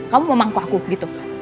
kamu mau mangkuk aku gitu